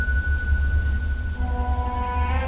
استاد وویل چي پښتو باید په ټولو ادارو کي رسمي سي.